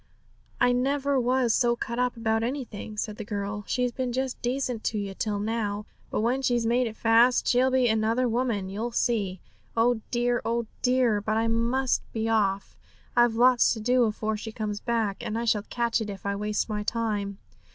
'I never was so cut up about anything,' said the girl. 'She's been just decent to you till now; but when she's made it fast she'll be another woman, you'll see. Oh dear, oh dear! But I must be off; I've lots to do afore she comes back, and I shall catch it if I waste my time.